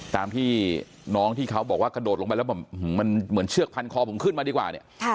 ตามที่น้องที่เขาบอกว่ากระโดดลงไปแล้วแบบมันเหมือนเชือกพันคอผมขึ้นมาดีกว่าเนี่ย